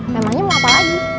memangnya mau apa lagi